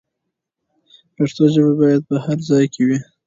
پښتو ژبه باید په هر ځای کې وي.